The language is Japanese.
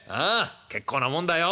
結構なもんだよ。